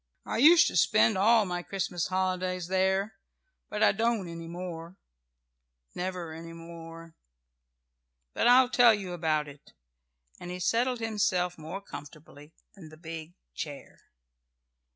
I used to spend all my Christmas holidays there, but I don't any more. Never any more. But I'll tell you about it," and he settled himself more comfortably in the big chair.